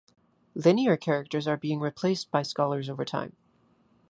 Linear characters are being replaced by scholars over time.